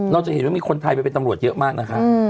เราจะเห็นว่ามีคนไทยไปเป็นตำรวจเยอะมากนะคะ